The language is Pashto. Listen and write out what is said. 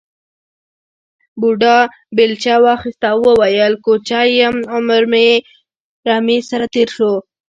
بوډا بېلچه واخیسته او وویل کوچی یم عمر مې رمې سره تېر شو.